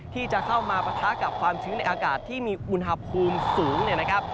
ที่จะเข้ามาปะทะกับความชื้นในอากาศที่มีอุณหภูมิสูงเนี่ยนะครับ